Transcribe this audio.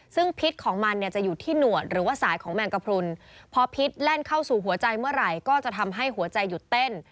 ซึ่งพิษของมันเนี่ยจะอยู่ที่หนวดหรือว่าสายของแมงกระพรุนพอพิษแล่นเข้าสู่หัวใจเมื่อไหร่ก็จะทำให้หัวใจหยุดเต้น